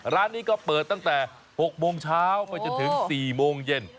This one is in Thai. ร้านนี้ก็เปิดตั้งแต่๖โมงเช้าไปจนถึง๔โมงเย็น